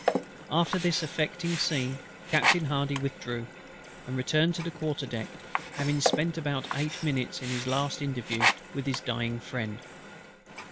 After this affecting scene Captain HARDY withdrew, and returned to the quarter deck, having spent about eight minutes in this his last interview with his dying friend.